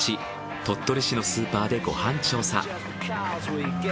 鳥取市のスーパーでご飯調査。